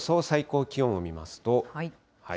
最高気温を見ますと。